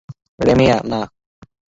রাম্যায়া, না!